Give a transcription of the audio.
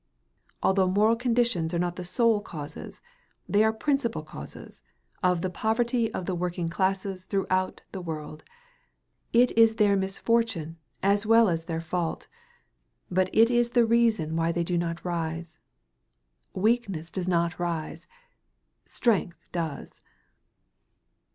Although moral conditions are not the sole causes, they are principal causes, of the poverty of the working classes throughout the world. It is their misfortune as well as their fault; but it is the reason why they do not rise. Weakness does not rise; strength does.